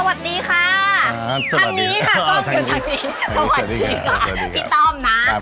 สวัสดีค่ะทางนี้ค่ะกล้องอยู่ทางนี้สวัสดีค่ะพี่ต้อมนะ